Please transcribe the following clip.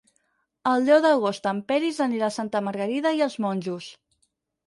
El deu d'agost en Peris anirà a Santa Margarida i els Monjos.